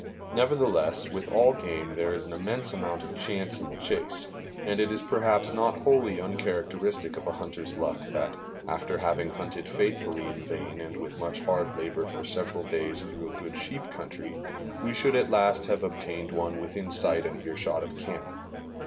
Nevertheless, with all game there is an immense amount of chance in the chase, and it is perhaps not wholly uncharacteristic of a hunter's luck that, after having hunted faithfully in vain and with much hard labor for several days through a good sheep country, we should at last have obtained one within sight and earshot of camp.